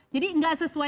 jadi tidak sesuai